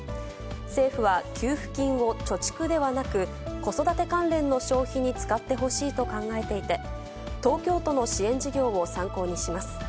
政府は給付金を貯蓄ではなく子育て関連の消費に使ってほしいと考えていて、東京都の支援事業を参考にします。